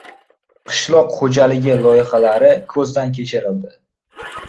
Qishloq xo‘jaligi loyihalari ko‘zdan kechirildi